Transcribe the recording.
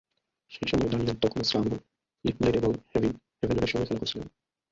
সেই সময়ে দানিয়েল তখনও স্লামো, লিফব্লেড এবং হেভেনউডের সঙ্গে খেলা করছিলেন।